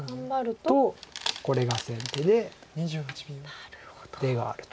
とこれが先手で出があると。